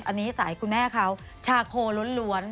อันนี้สายคุณแม่เขาชาโคล้วน